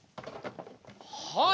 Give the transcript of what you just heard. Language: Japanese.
はい。